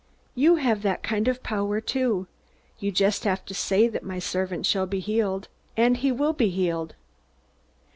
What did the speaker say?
You have that kind of power too. You just have to say that my servant shall be healed, and he will be healed."